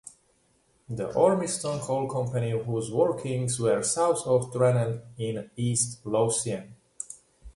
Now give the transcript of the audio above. The Ormiston Coal Company, whose workings were south of Tranent in East Lothian.